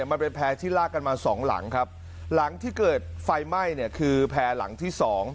มันเป็นแพร่ที่ลากกันมาสองหลังครับหลังที่เกิดไฟไหม้เนี่ยคือแพร่หลังที่สอง